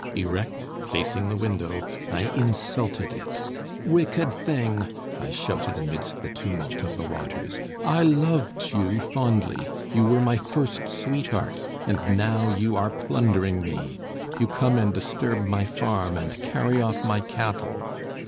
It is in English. Erect, facing the window, I insulted it. "Wicked thing!" I shouted amidst the tumult of the waters, "I loved you fondly, you were my first sweetheart, and now you are plundering me. You come and disturb my farm, and carry off my cattle.